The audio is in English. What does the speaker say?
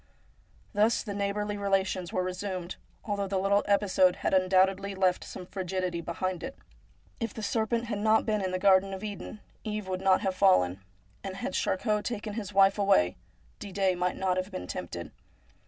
Thus the neighbourly relations were resumed, although the little episode had undoubtedly left some frigidity behind it. If the serpent had not been in the garden of Eden, Eve would not have fallen ; and had Charcot taken his wife away Didet might not have been tempted.